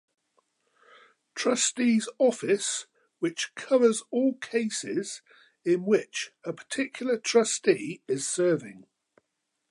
Trustee's office which covers all cases in which a particular trustee is serving.